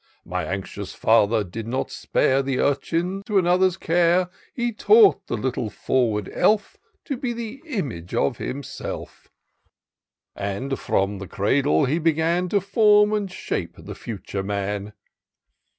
My anxious father did not spare The urchin to another's care ; He taught the little forward elf To be the image of himself; And firom the cradle he began To form and shape the fixture man.